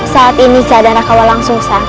saat ini keadaan raka walang sungsang